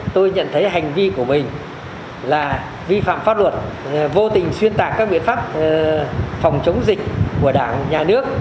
tôi nhận thấy hành vi của mình là vi phạm pháp luật vô tình xuyên tạc các biện pháp phòng chống dịch của đảng nhà nước